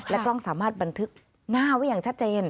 กล้องสามารถบันทึกหน้าไว้อย่างชัดเจน